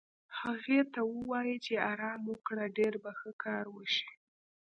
هغې ته ووایې چې ارام وکړه، ډېر به ښه کار وشي.